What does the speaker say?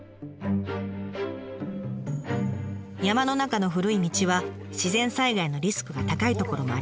山の中の古い道は自然災害のリスクが高い所もあります。